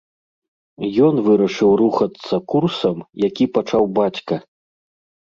Ён вырашыў рухацца курсам, які пачаў бацька.